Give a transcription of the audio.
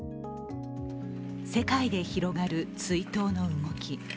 世界で広がる追悼の動き。